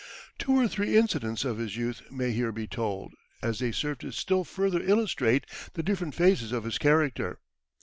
Two or three incidents of his youth may here be told, as they serve to still further illustrate the different phases of his character.